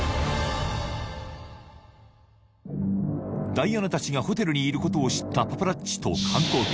ダイアナたちがホテルにいることを知ったパパラッチと観光客